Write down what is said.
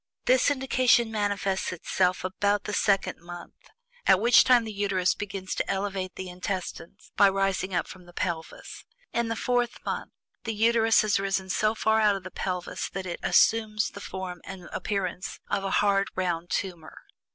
This indication manifests itself about the second month, at which time the Uterus begins to elevate the intestines by rising up from the pelvis. In the fourth month the Uterus has risen so far out of the pelvis that it assumes the form and appearance of a hard round tumor.